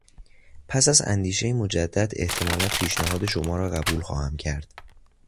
پس از اندیشهی مجدد احتمالا پیشنهاد شما را قبول خواهم کرد.